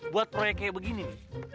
buat proyek kayak begini